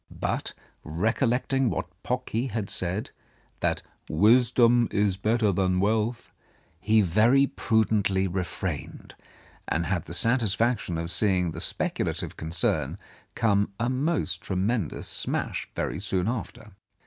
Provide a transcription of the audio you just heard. But, recollecting that Pocky had said that "Wisdom is better than wealth," he very prudently refrained, and had the satisfaction of seeing the speculative concern come a most tremendous smash very soon after.